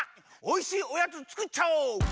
おいしいおやつつくっちゃおう！